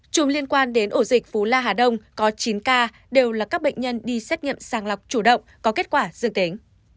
chùm liên quan đến ổ dịch phú la hà đông có chín ca đều là các bệnh nhân đi xét nghiệm sàng lọc chủ động có kết quả dương tính